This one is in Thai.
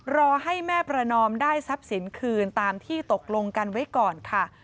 รอให้แม่ประนอมได้ทรัพย์สินคืนตามที่ตกลงกันไว้ก่อนค่ะ